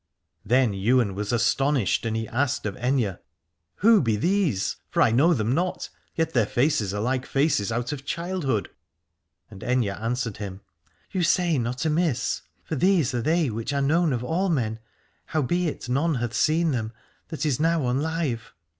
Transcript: Then Ywain was astonished, and he asked of Aithne : Who be these ? for I know them not : yet their faces are like faces out of childhood. And Aithne answered him : You say not amiss, for these are they which are known of all men, howbeit none hath seen them, that is now on live.